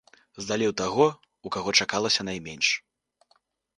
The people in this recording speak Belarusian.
Здалі ў таго, у каго чакалася найменш.